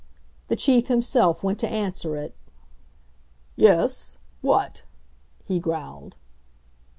The Chief himself went to answer it. "Yes what?" he growled.